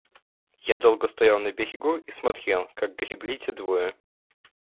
Я долго стоял на берегу и смотрел, как гребли те двое.